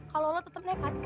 kalau lo tetap nekat